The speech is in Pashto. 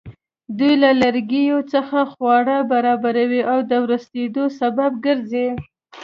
دوی له لرګیو څخه خواړه برابروي او د ورستېدلو سبب ګرځي.